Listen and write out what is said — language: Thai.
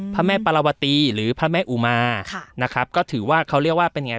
พระแม่ปรวตีหรือพระแม่อุมาค่ะนะครับก็ถือว่าเขาเรียกว่าเป็นไง